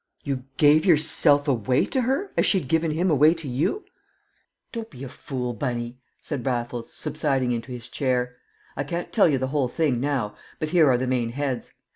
"You gave yourself away to her, as she'd given him away to you?" "Don't be a fool, Bunny," said Raffles, subsiding into his chair. "I can't tell you the whole thing now, but here are the main heads.